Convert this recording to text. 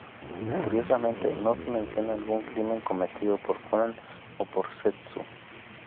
Curiosamente, no se menciona algún crimen cometido por Konan o por Zetsu.